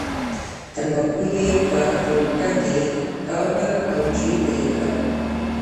تنباکو یې په ټوټه کې تاو کړل او جېب ته یې کړل.